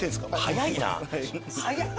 ・早いな。